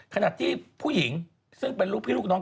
ขณะที่ผู้หญิงซึ่งเป็นลูกพี่ลูกน้อง